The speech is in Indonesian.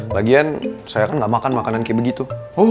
lagian saya kan gak makan makanan kayak begitu